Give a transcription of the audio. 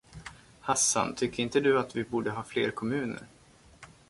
Hassan, tycker inte du att vi borde ha fler kommuner?